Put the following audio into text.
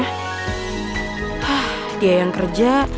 hah dia yang kerja